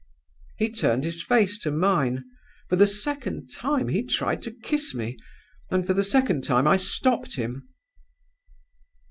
"He turned his face to mine. For the second time he tried to kiss me, and for the second time I stopped him.